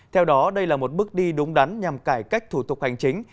theo đó đây là một bước đi đúng đắn nhằm cải cách thủ tục hành chính